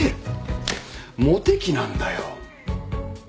モテ期なんだよ。